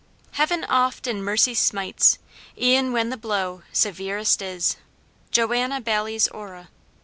"Heaven oft in mercy smites, e'en when the blow Severest is." JOANNA BAILLIE'S ORRA.